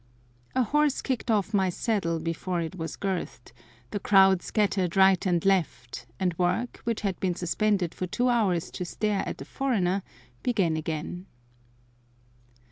A horse kicked off my saddle before it was girthed, the crowd scattered right and left, and work, which had been suspended for two hours to stare at the foreigner, began again.